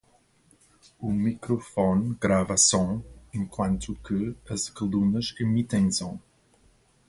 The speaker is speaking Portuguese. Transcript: O microfone grava som, enquanto que as colunas emitem som.